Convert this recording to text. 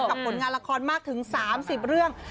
ผลงานละครมากถึง๓๐เรื่อง